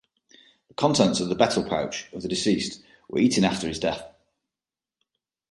The contents of the betel pouch of the deceased were eaten after his death.